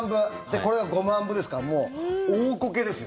これが５万部ですからもう大こけですよ。